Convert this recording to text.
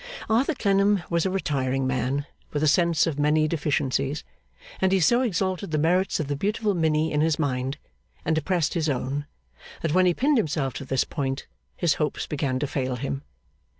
Arthur Clennam was a retiring man, with a sense of many deficiencies; and he so exalted the merits of the beautiful Minnie in his mind, and depressed his own, that when he pinned himself to this point, his hopes began to fail him.